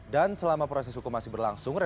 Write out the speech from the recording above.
dan selama proses hukum masih berlangsung